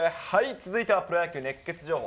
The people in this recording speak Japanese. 続いてはプロ野球熱ケツ情報。